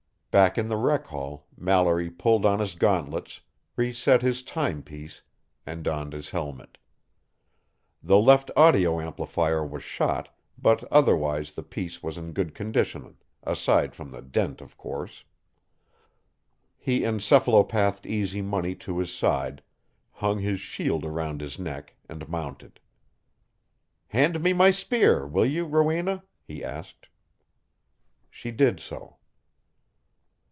Back in the rec hall, Mallory pulled on his gauntlets, reset his timepiece, and donned his helmet. The left audio amplifier was shot, but otherwise the piece was in good condition aside from the dent, of course. He encephalopathed Easy Money to his side, hung his shield around his neck, and mounted. "Hand me my spear, will you, Rowena?" he asked. She did so.